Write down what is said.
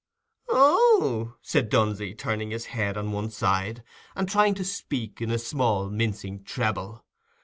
"Oho!" said Dunsey, turning his head on one side, and trying to speak in a small mincing treble.